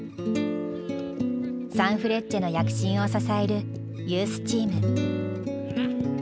サンフレッチェの躍進を支えるユースチーム。